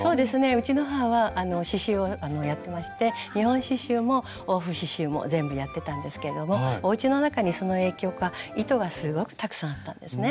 うちの母は刺しゅうをやってまして日本刺しゅうも欧風刺しゅうも全部やってたんですけどもおうちの中にその影響か糸がすごくたくさんあったんですね。